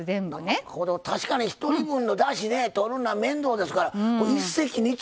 確かに１人分のだしねとるのは面倒ですから一石二鳥。